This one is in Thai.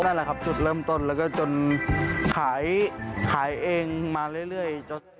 นั่นแหละครับจุดเริ่มต้นแล้วก็จนขายเองมาเรื่อย